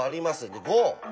で５。